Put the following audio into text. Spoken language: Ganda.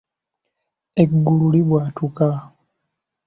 Eggulu libwatuka.